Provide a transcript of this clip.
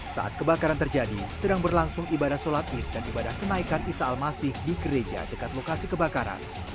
saat kebakaran terjadi sedang berlangsung ibadah sholat id dan ibadah kenaikan isa al masih di gereja dekat lokasi kebakaran